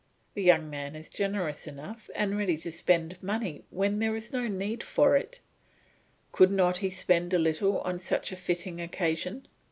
The young man is generous enough and ready to spend money when there is no need for it, could not he spend a little on such a fitting occasion?"